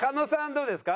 どうですか？